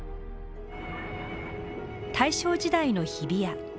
大正時代の日比谷。